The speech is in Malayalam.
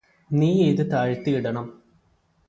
നീയിത് താഴ്ത്തിയിടണം